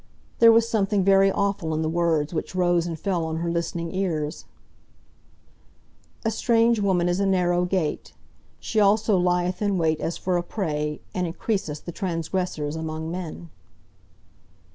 There was something very awful in the words which rose and fell on her listening ears: "A strange woman is a narrow gate. She also lieth in wait as for a prey, and increaseth the transgressors among men."